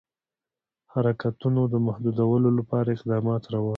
حرکتونو د محدودولو لپاره اقدامات روان وه.